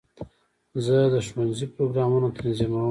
زه د ښوونځي پروګرامونه تنظیموم.